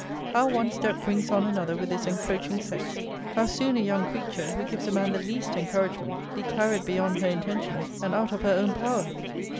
How one step brings on another with this encroaching sex; how soon a young creature, who gives a man the least encouragement, be carried beyond her intentions, and out of her own power!